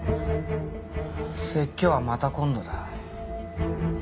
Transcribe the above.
説教はまた今度だ。